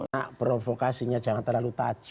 nah provokasinya jangan terlalu tajam